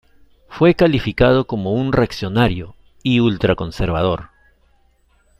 Fue calificado como un "reaccionario" y "ultraconservador".